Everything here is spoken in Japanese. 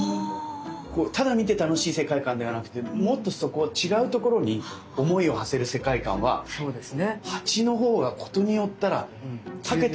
ただ見て楽しい世界観ではなくてもっとそこを違うところに思いをはせる世界観は鉢のほうが事によったらたけてる気がします。